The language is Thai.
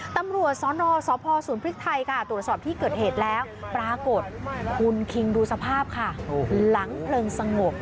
ตำรวจสนสพศูนย์พริกไทยค่ะตรวจสอบที่เกิดเหตุแล้วปรากฏคุณคิงดูสภาพค่ะหลังเพลิงสงบ